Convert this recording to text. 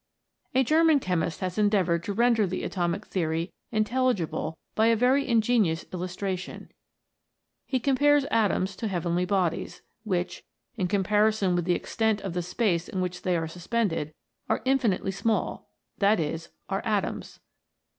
A German chemist has endeavoured to render the atomic theory intelligible by a very inge nious illustration. He compares atoms to the heavenly bodies, which, in comparison with the extent of the space in which they are suspended, are infinitely small : that is, are atoms.